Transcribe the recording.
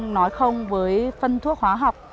nói không với phân thuốc hóa học